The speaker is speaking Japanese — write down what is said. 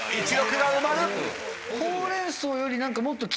１・６が埋まる。